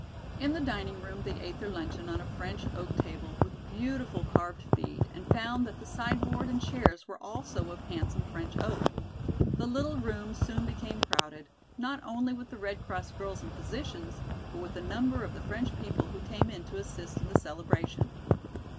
In the dining room they ate their luncheon on a French oak table with beautiful carved feet and found that the sideboard and chairs were also of handsome French oak. The little room soon became crowded, not only with the Red Cross girls and physicians, but with a number of the French people who came in to assist in the celebration.